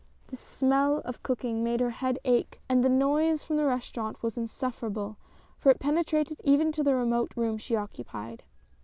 The smell of cooking made her head ache, and the noise from the restaurant was insufferable, for it penetrated even to the remote room she occupied.